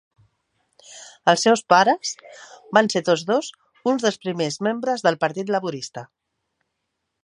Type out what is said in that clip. Els seus pares van ser tots dos uns dels primers membres del Partit Laborista.